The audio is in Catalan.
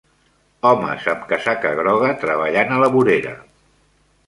Homes amb casaca groga treballant a la vorera.